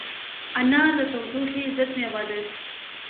انار د تودوخې ضد مېوه ده.